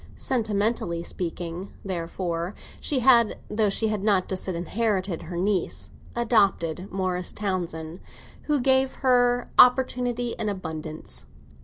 Sentimentally speaking, therefore, she had (though she had not disinherited her niece) adopted Morris Townsend, who gave her opportunity in abundance.